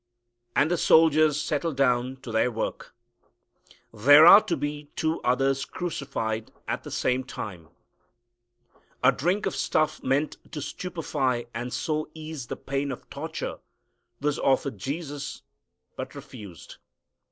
And the soldiers settle down to their work. There are to be two others crucified at the same time. A drink of stuff meant to stupefy and so ease the pain of torture was offered Jesus, but refused.